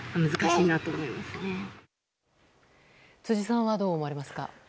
辻さんはどう思われますか。